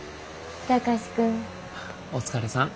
お疲れさん。